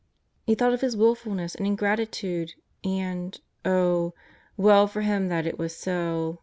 He thought of his wilfulness and ingratitude, and — oh, well for him that it was so